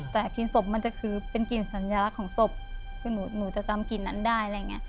แต่กลิ่นศพมันจะคือเป็นกลิ่นสัญลักษณ์ของศพหนูจะจำกลิ่นนั้นได้